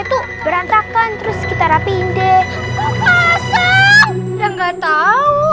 itu berantakan terus kita rapihin deh ya nggak tahu